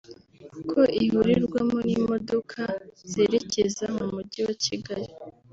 kuko ihurirwamo n’imodoka zerekeza mu Mujyi wa Kigali